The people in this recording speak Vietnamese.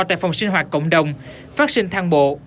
tại phòng sinh hoạt cộng đồng phát sinh thang bộ